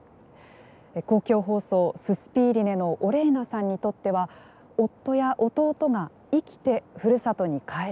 公共放送ススピーリネのオレーナさんにとっては夫や弟が生きてふるさとに帰れること。